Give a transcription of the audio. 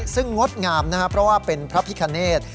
ซึ่งงดงามนะครับเพราะว่าเป็นพระพิคเนธ